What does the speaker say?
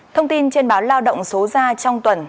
thông tin trên báo lao động số ra trong tuần